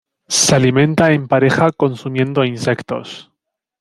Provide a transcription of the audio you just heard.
Se alimenta en pareja consumiendo insectos.